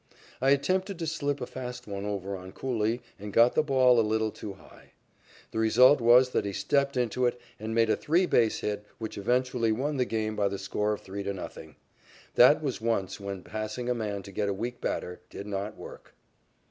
I attempted to slip a fast one over on Cooley and got the ball a little too high. The result was that he stepped into it and made a three base hit which eventually won the game by the score of 3 to 0. That was once when passing a man to get a weak batter did not work.